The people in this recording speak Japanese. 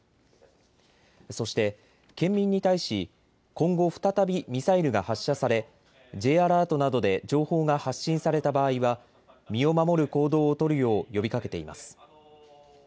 そして県民に対し、今後、再びミサイルが発射されＪアラートなどで情報が発信された場合は身を守る行動を取るよう呼びかけています。